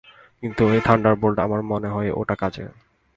কিন্তু ওই থান্ডারবোল্ট, আমার মনে হয় ওটা কাজের।